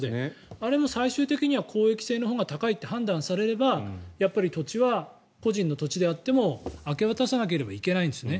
あれも最終的には公益性のほうが高いって判断されれば、土地は個人の土地であっても明け渡さなければいけないんですね。